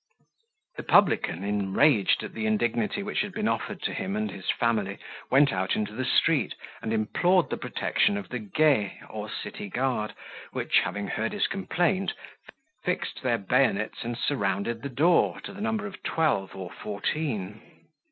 The publican, enraged at the indignity which had been offered to him and his family, went out into the street, and implored the protection of the guet, or city guard, which, having heard his complaint, fixed their bayonets and surrounded the door, to the number of twelve or fourteen.